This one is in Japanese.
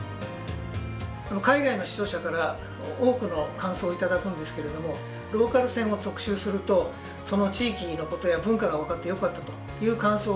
海外の視聴者から多くの感想を頂くんですけれどもローカル線を特集するとその地域のことや文化が分かってよかったという感想をよく頂きます。